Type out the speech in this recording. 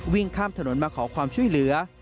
ข้ามถนนมาขอความช่วยเหลือ